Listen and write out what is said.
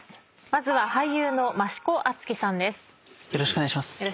まずは俳優の増子敦貴さんです。